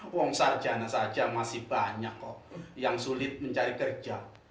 wong sarjana saja masih banyak kok yang sulit mencari kerja